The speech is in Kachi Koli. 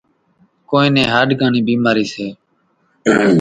ڪونئين نين هاڏڪان نِي ڀيمارِي سي۔